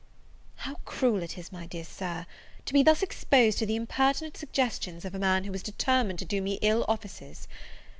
How cruel is it, my dear Sir, to be thus exposed to the impertinent suggestions of a man who is determined to do me ill offices!